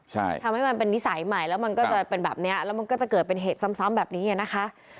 ใช่ทำให้มันเป็นนิสัยใหม่แล้วมันก็จะเป็นแบบนี้แล้วมันก็จะเกิดเป็นเหตุซ้ำแบบนี้นะคะ